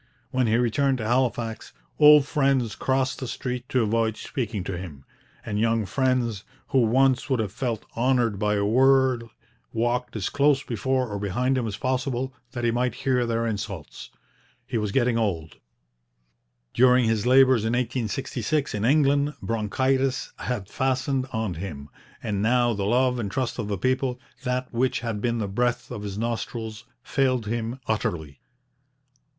When he returned to Halifax, old friends crossed the street to avoid speaking to him, and young friends, who once would have felt honoured by a word, walked as close before or behind him as possible that he might hear their insults. He was getting old; during his labours in 1866 in England bronchitis had fastened on him; and now the love and trust of the people that which had been the breath of his nostrils failed him utterly.